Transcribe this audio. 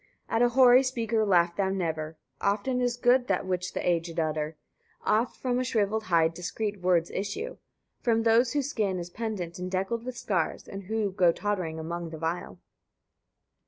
136. At a hoary speaker laugh thou never; often is good that which the aged utter, oft from a shriveled hide discreet words issue; from those whose skin is pendent and decked with scars, and who go tottering among the vile.